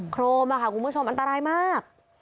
โครมค่ะคุณผู้ชมอันตรายมาก